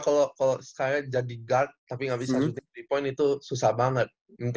kalau sekarang jadi guard tapi gak bisa syuting tiga point itu susah banget